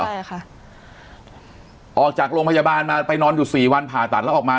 ใช่ค่ะออกจากโรงพยาบาลมาไปนอนอยู่สี่วันผ่าตัดแล้วออกมา